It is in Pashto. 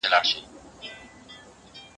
په زړه سخت لکه د غرونو ځناور وو